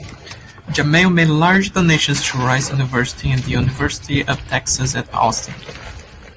Jamail made large donations to Rice University and The University of Texas at Austin.